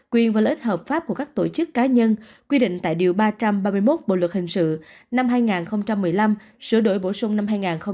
quyền và lợi ích hợp pháp của các tổ chức cá nhân quy định tại điều ba trăm ba mươi một bộ luật hình sự năm hai nghìn một mươi năm sửa đổi bổ sung năm hai nghìn một mươi bảy